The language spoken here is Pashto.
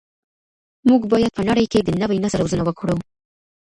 موږ باید په نړۍ کي د نوي نسل روزنه وکړو.